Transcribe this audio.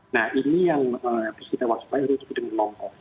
nah ini yang harus kita waspadai harus kita dengan lompat